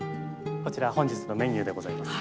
こちら本日のメニューでございます。